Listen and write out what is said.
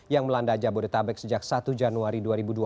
yang melanda jabodetabek sejak satu januari dua ribu dua puluh